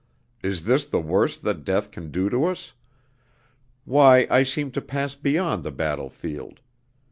'Is this the worst that death can do to us?' why, I seem to pass beyond the battlefield!